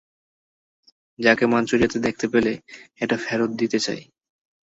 তাকে মাঞ্চুরিয়াতে দেখতে পেলে, এটা ফেরত দিতে চাই।